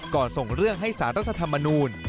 ส่งเรื่องให้สารรัฐธรรมนูล